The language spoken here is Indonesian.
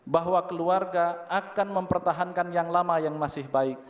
bahwa keluarga akan mempertahankan yang lama yang masih baik